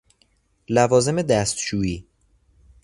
لوازم دستشویی: